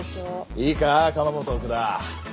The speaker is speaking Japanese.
いいか鎌本奥田。